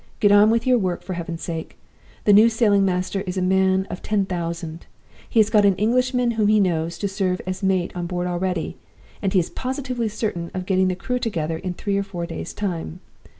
Get on with your work, for Heaven's sake! The new sailing master is a man of ten thousand. He has got an Englishman whom he knows to serve as mate on board already; and he is positively certain of getting the crew together in three or four days' time.